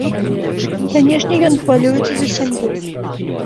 Канешне, ён хвалюецца за сям'ю.